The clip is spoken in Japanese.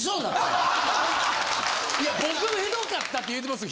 いや僕もヒドかったって言うてます